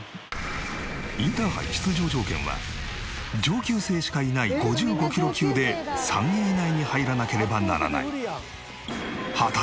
インターハイ出場条件は上級生しかいない５５キロ級で３位以内に入らなければならない。